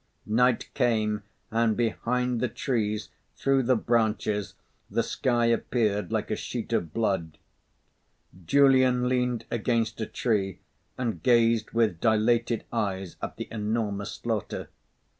Night came, and behind the trees, through the branches, the sky appeared like a sheet of blood. Julian leaned against a tree and gazed with dilated eyes at the enormous slaughter.